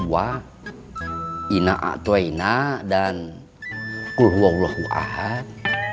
tua ina atwa ina dan kul hulahu ahad